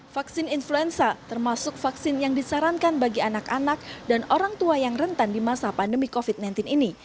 vaksin influenza termasuk vaksin yang disarankan bagi anak anak dan orang tua yang rentan di masa pandemi covid sembilan belas ini